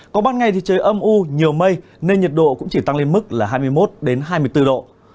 có ban ngày thì trời âm u nhiều mây nên nhiệt độ cũng chỉ tăng lên mức là hai mươi một hai mươi bốn độ